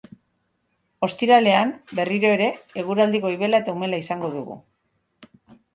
Ostiralean, berriro ere, eguraldi goibela eta umela izango dugu.